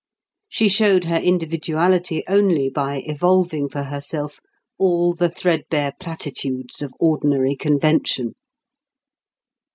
She showed her individuality only by evolving for herself all the threadbare platitudes of ordinary convention.